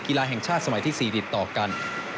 กีฬาแห่งชาติสมัยที่๔ติดต่อกัน